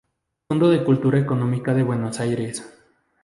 Fondo de Cultura Económica de Buenos Aires.